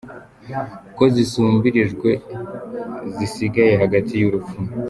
ko zisumbirijwe zisigaye hagati y’urupfu.